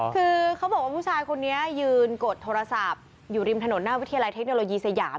คือเขาบอกว่าผู้ชายคนนี้ยืนกดโทรศัพท์อยู่ริมถนนหน้าวิทยาลัยเทคโนโลยีสยาม